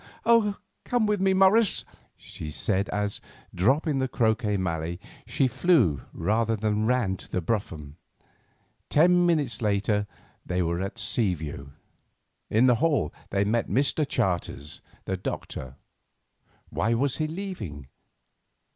"Come with me, Morris," she said, as, dropping the croquet mallet, she flew rather than ran to the brougham. Ten minutes later they were at Seaview. In the hall they met Mr. Charters, the doctor. Why was he leaving?